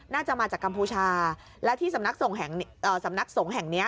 น่าจะมาจากกัมพูชาและที่สำนักสงฆ์แห่งนี้